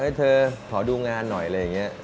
เธอขอดูงานหน่อยอะไรอย่างนี้